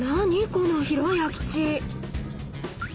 この広い空き地！